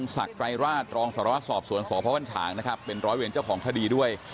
ศักดิ์ไกรราชรองศรวราชสอบสวนสพชเป็นร้อยเวียนเจ้าของทดีด้วย